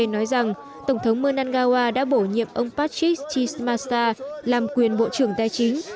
nói rằng tổng thống menangawa đã bổ nhiệm ông patrick chismasta làm quyền bộ trưởng tài chính